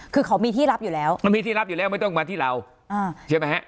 คือเขามีที่รับอยู่แล้วมันมีที่รับอยู่แล้วไม่ต้องมาที่เราอ่าใช่ไหมฮะ